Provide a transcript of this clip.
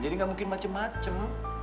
jadi gak mungkin macem macem